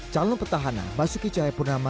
calon pertahanan masuki cahaya purnama